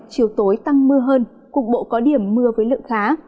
chiều tối tăng mưa hơn cục bộ có điểm mưa với lượng khá